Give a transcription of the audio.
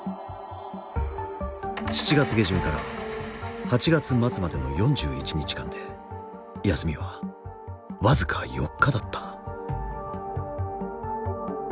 ７月下旬から８月末までの４１日間で休みは僅か４日だった。